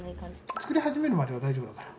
作り始めるまでは大丈夫だから。